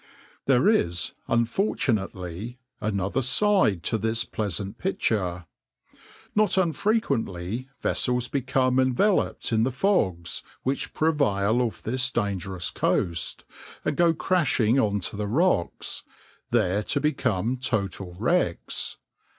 "\par There is, unfortunately, another side to this pleasant picture. Not unfrequently vessels become enveloped in the fogs, which prevail off this dangerous coast, and go crashing on to the rocks, there to become total wrecks.